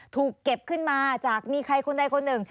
ถูกเก็บขึ้นมาจากมีใครคนใดคนหนึ่ง